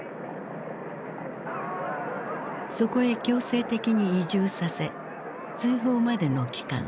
そこへ強制的に移住させ追放までの期間